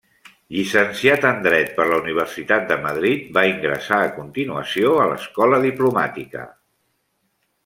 Llicenciat en Dret per la Universitat de Madrid, va ingressar a continuació a l'Escola Diplomàtica.